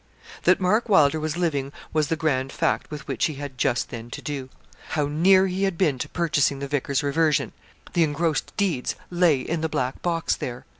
That Mark Wylder was living was the grand fact with which he had just then to do. How near he had been to purchasing the vicar's reversion! The engrossed deeds lay in the black box there.